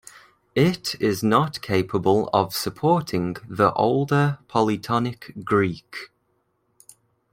It is not capable of supporting the older polytonic Greek.